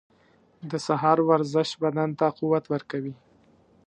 • د سهار ورزش بدن ته قوت ورکوي.